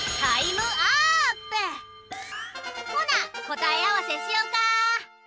ほなこたえあわせしよか。